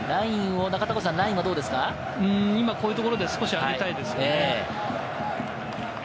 こういうところで少しあげたいですよね。